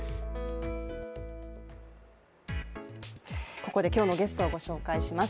ここで今日のゲストをご紹介します。